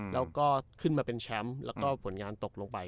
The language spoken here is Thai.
แล้วก็ขึ้นมาเป็นแชมป์แล้วก็ผลงานตกลงไป